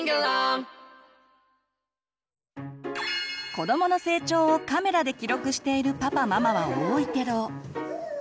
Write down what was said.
子どもの成長をカメラで記録しているパパママは多いけど。